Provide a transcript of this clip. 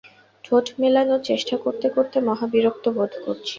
ঠোঁট মেলানোর চেষ্টা করতে করতে মহা বিরক্ত বোধ করছি।